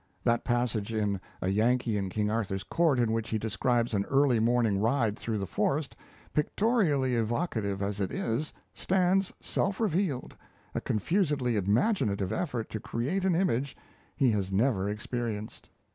That passage in 'A Yankee in King Arthur's Court' in which he describes an early morning ride through the forest, pictorially evocative as it is, stands self revealed a confusedly imaginative effort to create an image he has never experienced.